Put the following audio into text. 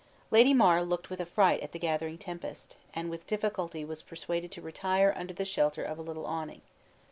Lady Mar looked with affright at the gathering tempest, and with difficulty was persuaded to retire under the shelter of a little awning.